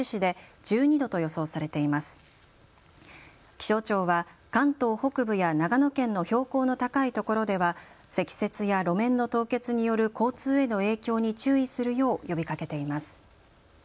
気象庁は関東北部や長野県の標高の高い所では積雪や路面の凍結による交通への影響に注意するよう呼びかけています。